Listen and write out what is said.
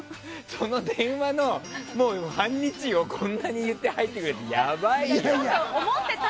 その電話の半日をこんなに言って入ってくるやつはおかしい。